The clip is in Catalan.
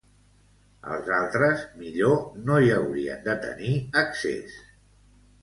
Els altres millor no hi haurien de tenir accés.